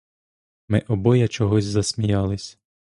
Ми обоє чогось засміялись.